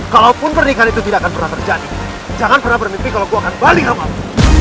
kalaupun pernikahan itu tidak akan pernah terjadi jangan pernah bermimpi kalau gue akan balik gak mau